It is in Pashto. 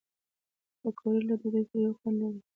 پکورې له ډوډۍ سره یو خوند لري